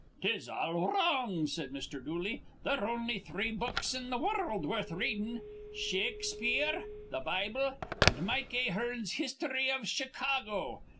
"'Tis all wrong," said Mr. Dooley. "They're on'y three books in th' wurruld worth readin', Shakespeare, th' Bible, an' Mike Ahearn's histhry iv Chicago.